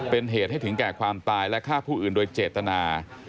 เป็นเหตุให้ถึงแก่ความตายและฆ่าผู้อื่นโดยเจตนา